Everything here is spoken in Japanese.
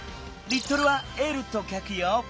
リットルは「Ｌ」とかくよ。